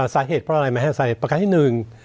สาเหตุเพราะอะไรไหมฮะสาเหตุประกันที่หนึ่ง